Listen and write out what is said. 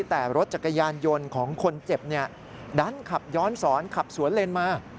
แต่รถจักรยานยนต์ของคนเจ็บดันขับย้อนสอนขับสวนเลนมา